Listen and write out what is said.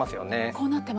こうなってます。